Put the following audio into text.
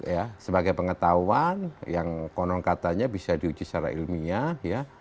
ya sebagai pengetahuan yang konon katanya bisa diuji secara ilmiah ya